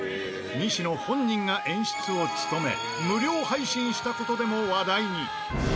西野本人が演出を務め無料配信した事でも話題に。